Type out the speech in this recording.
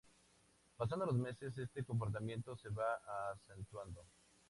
Pasando los meses este comportamiento se va acentuando.